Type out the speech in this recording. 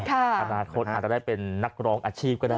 อนาคตอาจจะได้เป็นนักร้องอาชีพก็ได้